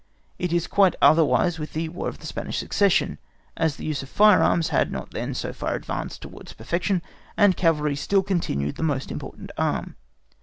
It is quite otherwise with the War of the Spanish succession, as the use of fire arms had not then so far advanced towards perfection, and cavalry still continued the most important arm.